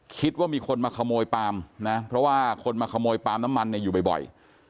คิดว่ามีคนมาขโมยปาล์มนะเพราะว่าคนมาขโมยปาล์มน้ำมันเนี่ยอยู่บ่อย